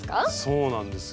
そうなんですよ。